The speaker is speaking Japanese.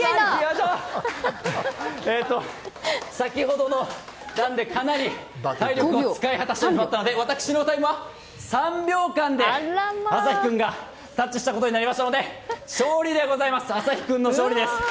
先ほどのなので、体力を使い果たしてしまったので私のタイムは３秒間でアサヒ君がタッチしたことになりましたのでアサヒ君の勝利です。